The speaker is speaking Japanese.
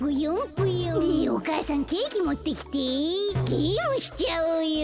ゲームしちゃおうよ。